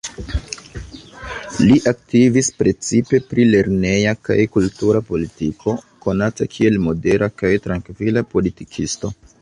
Li aktivis precipe pri lerneja kaj kultura politiko, konata kiel modera kaj trankvila politikisto.